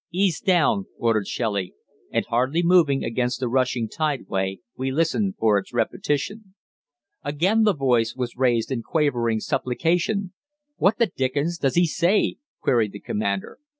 'Ease down,' ordered Shelley, and hardly moving against the rushing tideway we listened for its repetition. Again the voice was raised in quavering supplication. 'What the dickens does he say?' queried the commander.